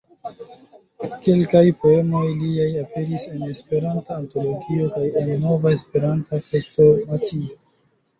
Kelkaj poemoj liaj aperis en "Esperanta Antologio" kaj en "Nova Esperanta Krestomatio".